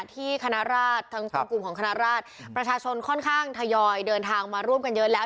คณะราชทั้งสองกลุ่มของคณะราชประชาชนค่อนข้างทยอยเดินทางมาร่วมกันเยอะแล้ว